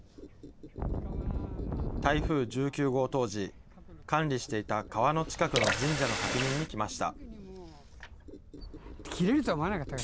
台風１９号当時、管理していた川の近くの神社の確認に来ました。